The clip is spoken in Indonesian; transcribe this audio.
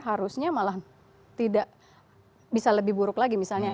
harusnya malah tidak bisa lebih buruk lagi misalnya